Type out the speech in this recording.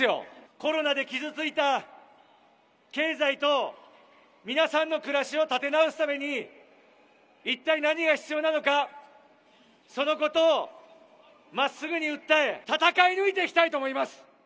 コロナで傷ついた経済と皆さんの暮らしを立て直すために、一体何が必要なのか、そのことをまっすぐに訴え、戦い抜いていきたいと思います。